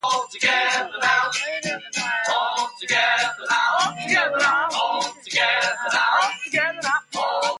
Thistlethwaite later acquired Mr. Andrepont's interest in the operation.